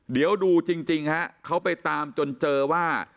เดี๋ยวดูจริงฮะเขาไปตามจนเจอว่า